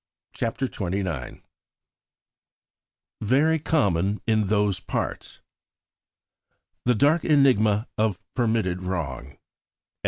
CHAPTER XXIX "Very Common in those Parts" "The dark enigma of permitted wrong."